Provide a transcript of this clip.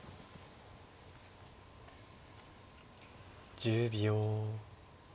１０秒。